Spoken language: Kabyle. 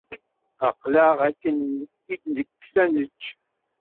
Aql-aɣ akken i d-nekkes ad nečč.